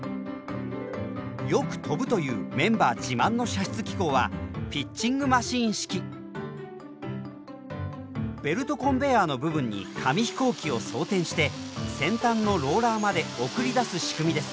よく飛ぶというメンバー自慢の射出機構はベルトコンベヤーの部分に紙飛行機を装填して先端のローラーまで送り出す仕組みです。